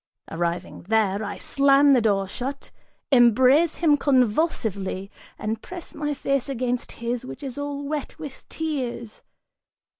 Arriving there, I slam the door shut, embrace him convulsively, and press my face against his which is all wet with tears.